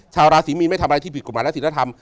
ชาวราศีมีนไม่ทำอะไรที่ผิดกฎหมายและศิลธรรม